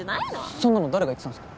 そんなの誰が言ってたんですか？